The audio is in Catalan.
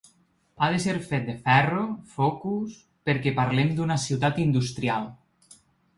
Ha de ser fet de ferro, focus… perquè parlem d’una ciutat industrial.